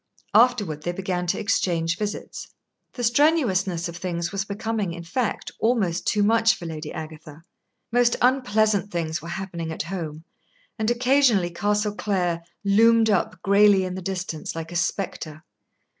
Afterward they began to exchange visits. The strenuousness of things was becoming, in fact, almost too much for Lady Agatha. Most unpleasant things were happening at home, and occasionally Castle Clare loomed up grayly in the distance like a spectre.